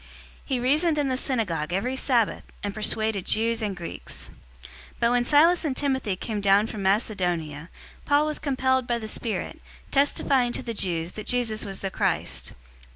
018:004 He reasoned in the synagogue every Sabbath, and persuaded Jews and Greeks. 018:005 But when Silas and Timothy came down from Macedonia, Paul was compelled by the Spirit, testifying to the Jews that Jesus was the Christ.